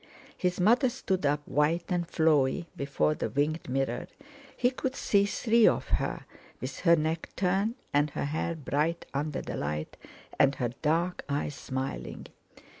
His mother stood up white and flowey before the winged mirror: he could see three of her, with her neck turned and her hair bright under the light, and her dark eyes smiling.